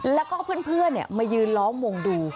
แล้วก็เพื่อนมายืนล้อมวงดู